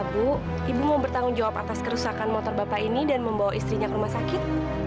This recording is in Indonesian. ibu ibu mau bertanggung jawab atas kerusakan motor bapak ini dan membawa istrinya ke rumah sakit